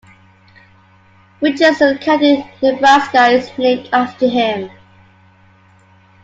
Richardson County, Nebraska is named after him.